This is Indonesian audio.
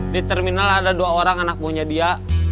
di terminal ada dua orang anak buahnya dia